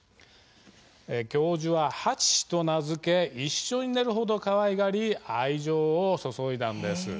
教授は、ハチと名付け一緒に寝る程かわいがり愛情を注いだんです。